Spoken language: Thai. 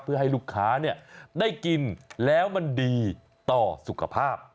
เพื่อให้ลูกค้าได้กินแล้วมันดีต่อสุขภาพ